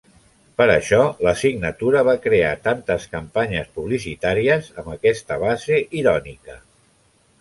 Per això la signatura va crear tantes campanyes publicitàries amb aquesta base irònica.